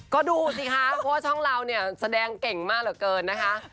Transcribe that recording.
ก็ดูสิคะเพราะว่าช่องเราเนี่ยแสดงเก่งมากเหลือเกินนะคะ